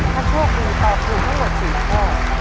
ถ้าโชคดีตอบถูกทั้งหมด๔ข้อ